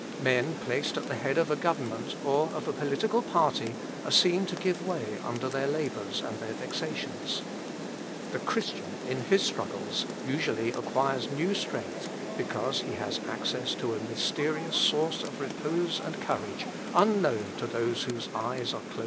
Men placed at the head of a government, or of a political party, are seen to give way under their labours and their vexations. The Christian in his struggles usually acquires new strength, because he has access to a mysterious source of repose and courage, unknown to those whose eyes are closed to the gospel.